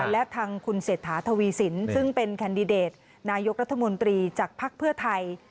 และทางคุณเศรษฐาทวีสินซึ่งเป็นแคนดิเดตนายกรัฐมนตรีจากภักดิ์เพื่อไทย